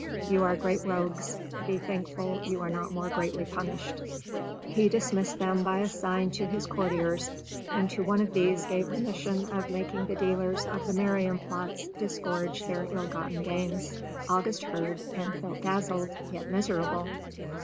"You are great rogues. Be thankful you are not more greatly punished." He dismissed them by a sign to his courtiers, and to one of these gave the mission of making the dealers of the Marienplatz disgorge their ill gotten gains. August heard, and felt dazzled yet miserable.